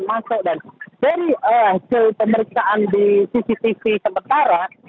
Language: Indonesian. termasuk dari hasil pemeriksaan di cctv sementara